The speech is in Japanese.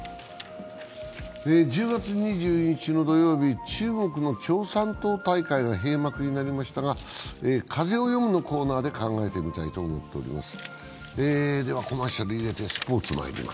１０月２２日の土曜日、中国の共産党大会が閉幕になりましたが「風をよむ」のコーナーで考えてみたいと思っております。